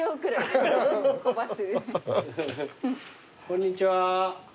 こんにちは。